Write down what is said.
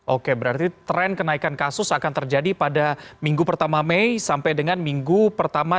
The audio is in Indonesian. oke berarti tren kenaikan kasus akan terjadi pada minggu pertama mei sampai dengan minggu pertama